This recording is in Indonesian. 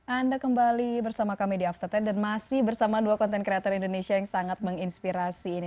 anda kembali bersama kami di after sepuluh dan masih bersama dua content creator indonesia yang sangat menginspirasi ini